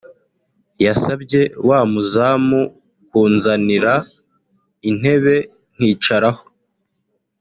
yasabye wa muzamu kunzanira intebe nkicaraho